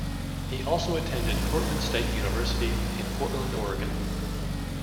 He also attended Portland State University in Portland, Oregon.